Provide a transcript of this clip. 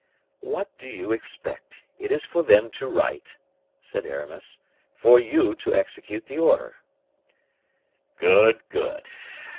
"What do you expect? It is for them to write," said Aramis, "for you to execute the order." "Good! good!